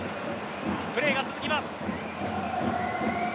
プレーが続きます。